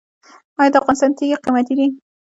آیا د افغانستان تیږې قیمتي دي؟